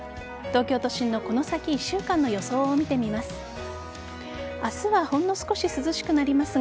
東京都心のこの先１週間の予想を見てみます。